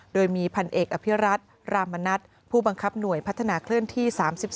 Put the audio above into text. โดยมีพันเอกอภิรัตรามณัฐผู้บังคับหน่วยพัฒนาเคลื่อนที่๓๒